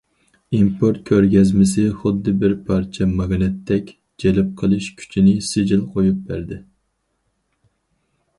ئىمپورت كۆرگەزمىسى خۇددى بىر پارچە ماگنىتتەك جەلپ قىلىش كۈچىنى سىجىل قويۇپ بەردى.